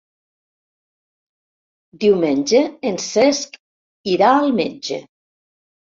Diumenge en Cesc irà al metge.